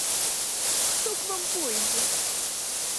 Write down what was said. Хто к вам пойдзе!